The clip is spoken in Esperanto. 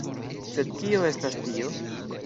Sed kio estas tio?